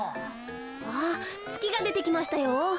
わつきがでてきましたよ。